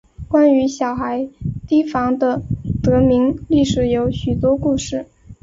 关于小孩堤防的得名历史有许多故事。